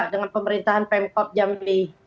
dengan pemerintahan pemkop jambi